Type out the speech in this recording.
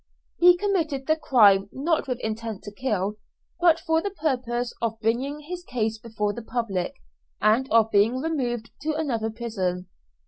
He committed the crime not with intent to kill, but for the purpose of bringing his case before the public, and of being removed to another prison.